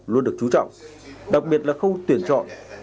luôn được trú trọng đặc biệt là không tuyển chọn